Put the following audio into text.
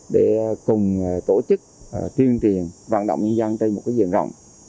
để cùng tổ chức tuyên truyền vận động nhân dân trên một diện rộng